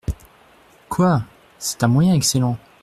Quoi ! c’est un moyen excellent.